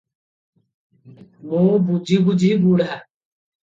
ମୁଁ ବୁଝି ବୁଝି ବୁଢା ।